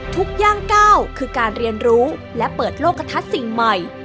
ย่างก้าวคือการเรียนรู้และเปิดโลกกระทัดสิ่งใหม่